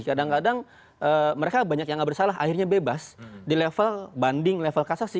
kadang kadang mereka banyak yang nggak bersalah akhirnya bebas di level banding level kasasi